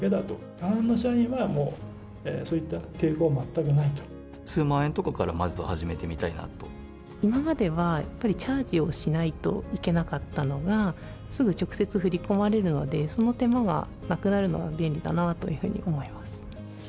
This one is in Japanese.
大半の社員は、そういった抵抗は数万円とかからまずは初めて今までは、やっぱりチャージをしないといけなかったのが、すぐ直接振り込まれるので、その手間がなくなるのは便利だなというふうに思います。